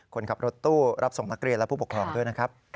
คนขับรถตู้รับส่งนักเรียนและผู้ปกครองด้วยนะครับ